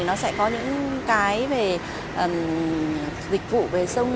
nó sẽ có những cái về dịch vụ về sông